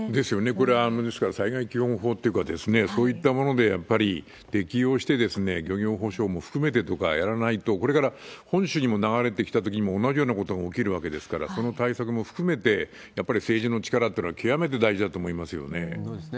これは、ですから災害基本法というか、そういったものでやっぱり適用して、漁業補償も含めてとかやらないと、これから本州にも流れてきたときにも同じようなことが起きるわけですから、その対策も含めて、やっぱり政治の力っていうのは極めて大事だと思いますね。